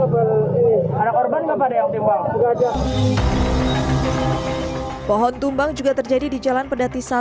kabel ini ada korban kepada yang timbul juga aja pohon tumbang juga terjadi di jalan pendati satu